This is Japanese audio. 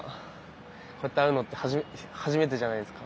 こうやって会うのって初めてじゃないですか。